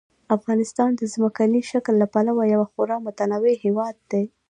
افغانستان د ځمکني شکل له پلوه یو خورا متنوع هېواد دی.